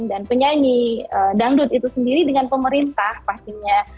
dan penyanyi dangdut itu sendiri dengan pemerintah pastinya